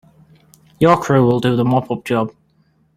Your crew will do the mop up job.